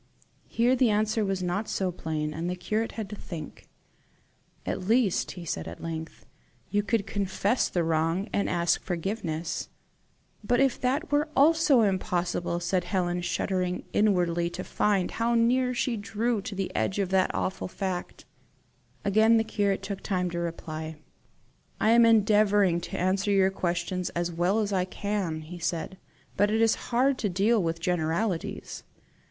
Here the answer was not so plain, and the curate had to think. "At least," he said at length, "you could confess the wrong, and ask forgiveness." "But if that also were impossible," said Helen, shuddering inwardly to find how near she drew to the edge of the awful fact. Again the curate took time to reply. "I am endeavouring to answer your questions as well as I can," he said; "but it is hard to deal with generalities.